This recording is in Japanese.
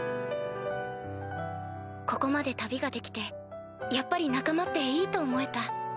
ここまで旅ができてやっぱり仲間っていいと思えた。